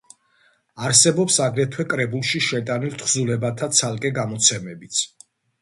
არსებობს აგრეთვე კრებულში შეტანილ თხზულებათა ცალკე გამოცემებიც.